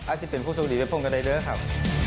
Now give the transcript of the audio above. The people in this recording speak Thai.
อาชีพเป็นผู้โชคดีไปพร้อมกันเลยเด้อครับ